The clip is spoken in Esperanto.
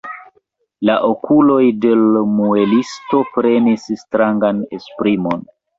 La okuloj de l' muelisto prenis strangan esprimon.